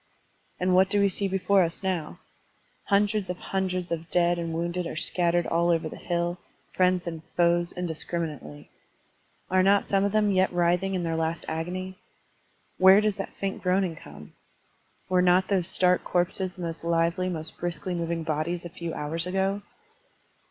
And what do we see before us now? Htmdreds of htmdreds of dead and wounded are scattered all over the hill, friends and foes indiscriminately. Are not some of them yet writhing in their last agony? Where does that faint groaning come? Were not those stark corpses the most lively, most briskly moving bodies a few hours ago?